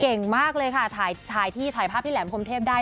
เก่งมากเลยค่ะถ่ายที่ถ่ายภาพพี่แหลมพรมเทพได้